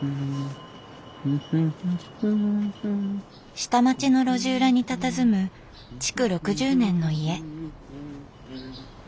下町の路地裏にたたずむ築６０年の家。